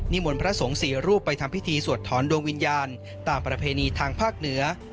มนต์พระสงฆ์สี่รูปไปทำพิธีสวดถอนดวงวิญญาณตามประเพณีทางภาคเหนือ